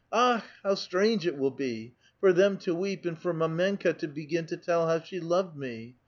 Akh I how strange it will be ! for them to weep, and for mdmenka to begin to tell how she loved me.